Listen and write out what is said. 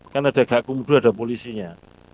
kan ada gakumdu ada polisinya